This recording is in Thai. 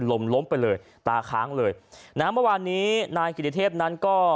ล้มล้มไปเลยตาค้างเลยนะฮะเมื่อวานนี้นายกิติเทพนั้นก็